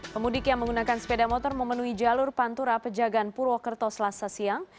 pemudik yang menggunakan sepeda motor memenuhi jalur pantura pejagaan purwokerto selasa siang